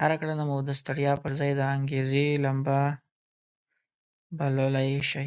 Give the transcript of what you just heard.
هره کړنه مو د ستړيا پر ځای د انګېزې لمبه بلولای شي.